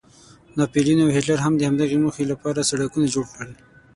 ناپلیون او هیټلر هم د همدغې موخې لپاره سړکونه جوړ کړل.